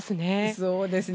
そうですね。